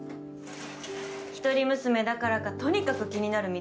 一人娘だからかとにかく気になるみたいで。